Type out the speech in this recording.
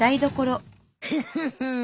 フフフン。